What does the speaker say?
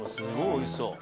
おいしそう。